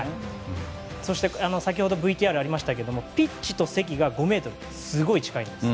そして、先ほどＶＴＲにもありましたけどピッチと席が５ｍとすごい近いんです。